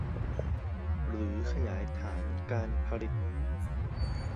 หรือขยายฐานการผลิต